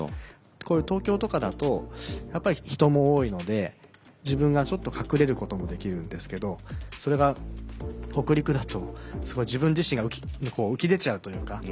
こういう東京とかだとやっぱり人も多いので自分がちょっと隠れることもできるんですけどそれが北陸だと自分自身が浮き出ちゃうというか。